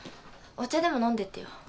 お茶でも飲んでってよ。